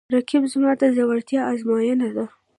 رقیب زما د زړورتیا آزموینه ده